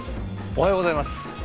おはようございます。